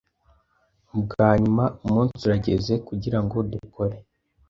Ubwanyuma, umunsi urageze kugirango dukore.